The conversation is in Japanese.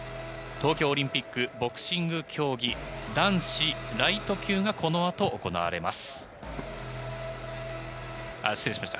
東京オリンピックボクシング競技、男子ライト級がこの後行われます。